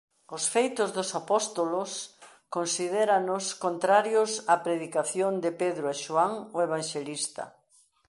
Os Feitos dos Apóstolos considéranos contrarios á predicación de Pedro e Xoán o Evanxelista.